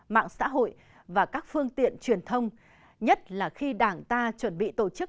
mạng xã hội và các phương tiện truyền thông nhất là khi đảng ta chuẩn bị tổ chức